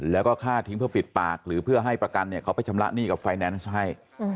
แล้วก็ฆ่าทิ้งเพื่อปิดปากหรือเพื่อให้ประกันเขาไปชำระหนี้กับไฟแนนซ์ให้